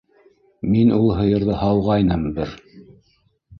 Мин ул һыйырҙы һауғайным бер...